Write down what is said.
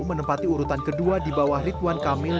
menempati urutan kedua di bawah ridwan kamil